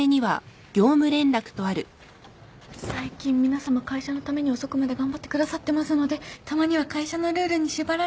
「最近皆さま会社のために遅くまで頑張ってくださってますのでたまには会社のルールに縛られましょう」